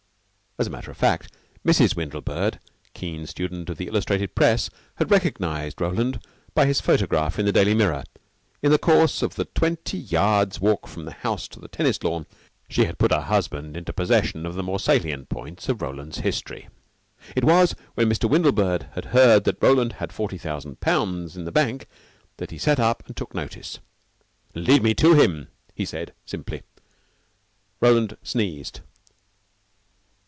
As a matter of fact, Mrs. Windlebird, keen student of the illustrated press, had recognized Roland by his photograph in the Daily Mirror. In the course of the twenty yards' walk from house to tennis lawn she had put her husband into possession of the more salient points in Roland's history. It was when Mr. Windlebird heard that Roland had forty thousand pounds in the bank that he sat up and took notice. "Lead me to him," he said simply. Roland sneezed.